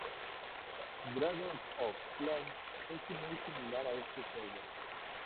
Dragons of Flame es muy similar a este juego.